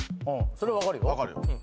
それ分かるよ。